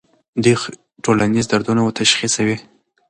دوی ټولنیز دردونه تشخیصوي.